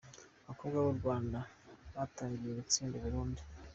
Abakobwa b’u Rwanda batangiye batsinda u Burundi.